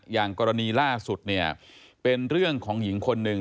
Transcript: อย่างกรณีล่าสุดเนี่ยเป็นเรื่องของหญิงคนหนึ่ง